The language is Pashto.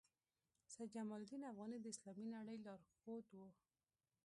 سید جمال الدین افغاني د اسلامي نړۍ لارښود وو.